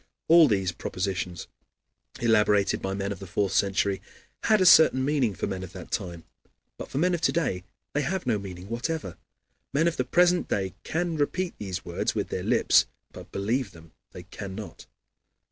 All these propositions, elaborated by men of the fourth century, had a certain meaning for men of that time, but for men of to day they have no meaning whatever. Men of the present day can repeat these words with their lips, but believe them they cannot.